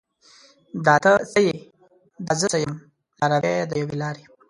دا ته څه یې؟ دا زه څه یم؟ لاروي د یوې لارې